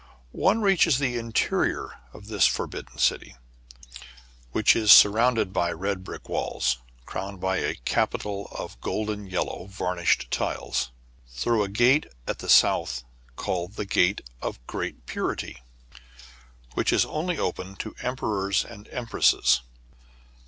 One reaches the interior of this For bidden City — which is surrounded by red brick walls, crowned by a capital of golden yellow, var nished tiles — through a gate at the south, called the Gate of Great Purity, which is only opened to emperors and empresses.